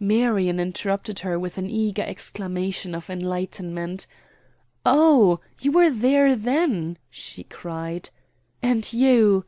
Marion interrupted her with an eager exclamation of enlightenment. "Oh, you were there, then," she cried. "And you?"